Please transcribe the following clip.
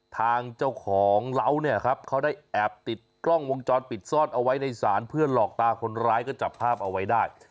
ทางเจ้าของเล้าเนี่ยครับเขาได้แอบติดกล้องวงจรปิดซ่อนเอาไว้ในศาลเพื่อหลอกตาคนร้ายก็จับภาพเอาไว้ได้